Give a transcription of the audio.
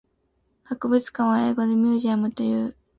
博物館は英語でミュージアムという。